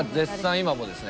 今もですね